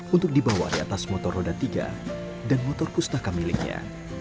untuk dibawa di atas motor roda tiga dan motor pustaka miliknya